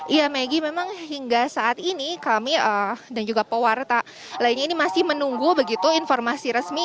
iya megi memang hingga saat ini kami dan juga pewarta lainnya ini masih menunggu begitu informasi resmi